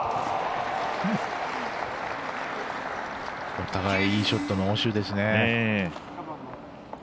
お互いいいショットの応酬ですね。